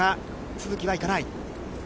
都筑はいかない。